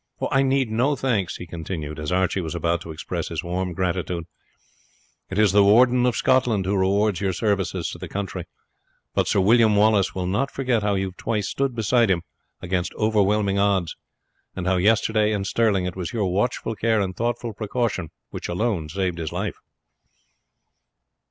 I need no thanks," he continued, as Archie was about to express his warm gratitude; "it is the Warden of Scotland who rewards your services to the country; but Sir William Wallace will not forget how you have twice stood beside him against overwhelming odds, and how yesterday, in Stirling, it was your watchful care and thoughtful precaution which alone saved his life."